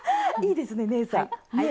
いいですねねえさん。ね！